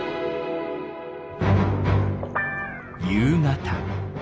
夕方。